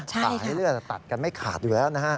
ต่างให้เรื่องตัดกันไม่ขาดอยู่แล้วนะครับ